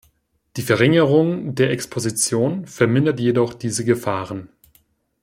Die Verringerung der Exposition vermindert jedoch diese Gefahren.